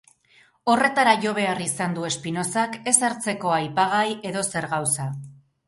Horretara jo behar izan du Spinozak ez hartzeko aipagai edozer gauza.